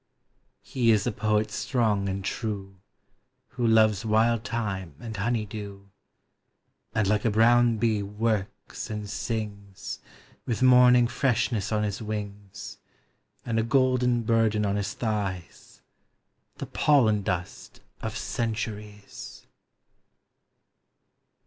He is a poet strong and true Who loves wild thyme and honey dew ; And like a brown bee works and sings, With morning freshness on his wings, And a gold burden on his thighs,— The pollen dust of centuries!